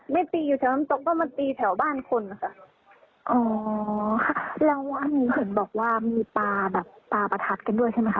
ตีอยู่แถวน้ำตกก็มาตีแถวบ้านคนนะคะอ๋อค่ะแล้ววันนี้เห็นบอกว่ามีปลาแบบปลาประทัดกันด้วยใช่ไหมค